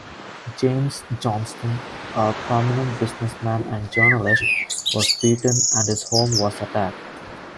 James Johnston, a prominent businessman and journalist, was beaten and his home was attacked.